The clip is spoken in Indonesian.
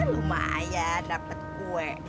lumayan dapet kue